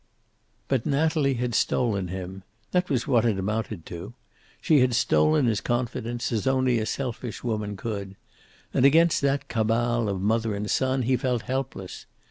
But Natalie had stolen him. That was what it amounted to. She had stolen his confidence, as only a selfish woman could. And against that cabal of mother and son he felt helpless.